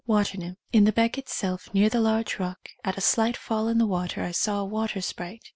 Water Nymph. In the beck itself, near the large rock, at a slight fall in the water, I saw a water sprite.